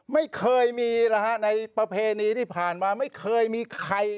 ไม่เคยมีแล้วฮะในประเพณีที่ผ่านมาไม่เคยมีใคร